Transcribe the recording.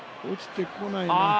落ちてこないな。